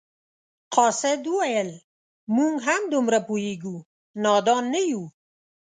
قاصد وویل موږ هم دومره پوهیږو نادان نه یو.